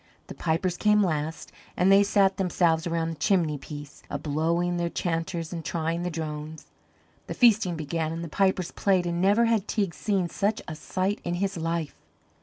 The pipers came last, and they sat themselves around the chimney piece a blowing their chanters and trying the drones. The feasting began and the pipers played and never had Teig seen such a sight in his life.